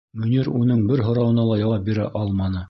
Мөнир уның бер һорауына ла яуап бирә алманы.